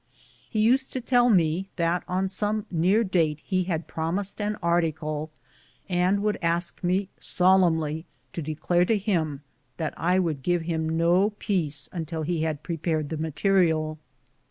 He used to tell me that on some near date he had promised an article, and would ask me solemnly to declare to him that I would give him no peace until he had prepared the material.